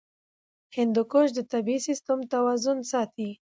هندوکش د طبعي سیسټم توازن ساتي.